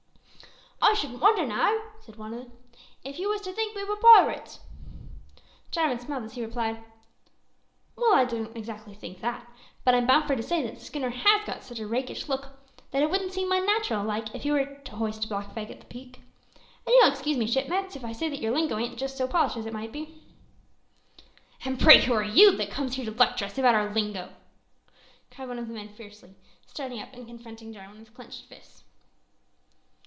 "I shouldn't wonder now," said one, "if you was to think we was pirates." Jarwin smiled as he replied, "Well, I don't exactly think that, but I'm bound for to say the schooner has got such a rakish look that it wouldn't seem unnatural like if you were to hoist a black flag at the peak. An' you'll excuse me, shipmets, if I say that yer lingo ain't just so polished as it might be." "And pray who are you, that comes here to lecture us about our lingo?" cried one of the men fiercely, starting up and confronting Jarwin with clenched fists.